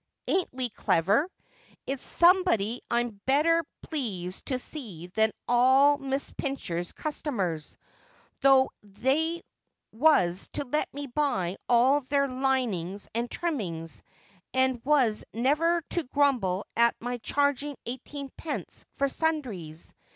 Ain't we clever 1 It's somebody I'm better pleased to see than all Miss Pincher's customers, though they was to let me buy all their linings and trimmings, and was never to grumble at my charging eighteen pence for sundries.